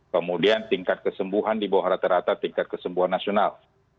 kemudian tingkat kesembuhan di bawah rata rata tingkat kesembuhan nasional